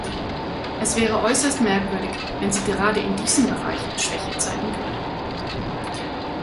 Es wäre äußerst merkwürdig, wenn sie gerade in diesen Bereichen Schwäche zeigen würde.